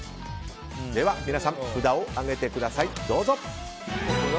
皆さん、札を上げてください。